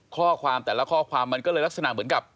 ข้อความแต่ละข้อความมันก็เลยลักษณะเหมือนกับ